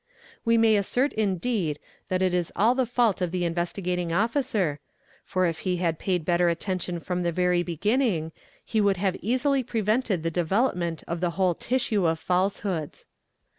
We may assert indeed that it is all the fault of the Investigating Officer, for if he had paid better attention from the very beginning he would have easily prevented the development of the whole tissue of falsehoods.